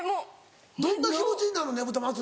どんな気持ちになんのねぶた祭。